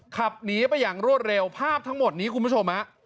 ขับหนีไปอย่างรวดเร็วภาพทั้งหมดนี้คุณผู้ชมฮะ